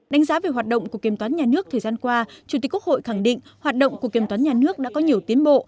đánh giá về hoạt động của kiểm toán nhà nước thời gian qua chủ tịch quốc hội khẳng định hoạt động của kiểm toán nhà nước đã có nhiều tiến bộ